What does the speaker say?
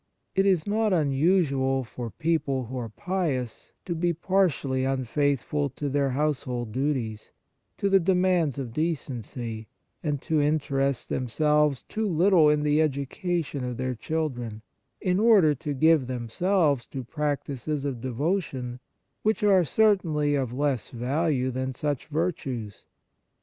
It is not unusual for people who are pious to be partially unfaithful to their household duties, to the demands of decency, and to interest themselves too little in the education of their children, in order to give themselves to practices of devotion which are certainly of less value than such virtues.